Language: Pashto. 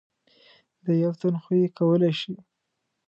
د یو تن خو یې کولای شئ .